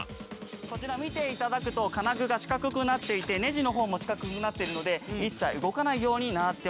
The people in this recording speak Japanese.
こちら見ていただくと金具が四角くなっていてねじの方も四角くなってるので一切動かないようになってます。